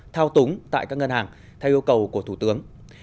thao túng tại các ngân hàng theo yêu cầu của thủ tướng